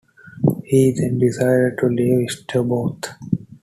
He then decides to leave Stillborough.